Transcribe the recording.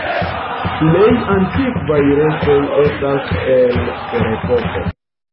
Plej antikvaj restoj estas el Ferepoko.